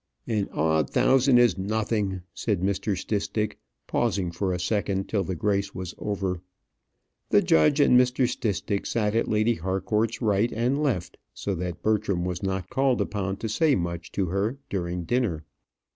"An odd thousand is nothing," said Mr. Stistick, pausing for a second till the grace was over. The judge and Mr. Stistick sat at Lady Harcourt's right and left, so that Bertram was not called upon to say much to her during dinner.